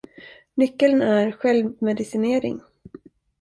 Nyckeln är självmedicinering.